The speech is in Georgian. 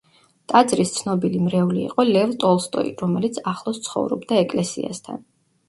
ტაძრის ცნობილი მრევლი იყო ლევ ტოლსტოი, რომელიც ახლოს ცხოვრობდა ეკლესიასთან.